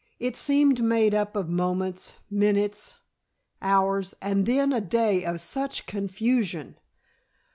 It seemed made up of moments, minutes, hours, and then a day of such confusion!